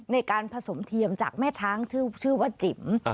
ในการผสมเทียมจากแม่ช้างชื่อว่าจิ๋ม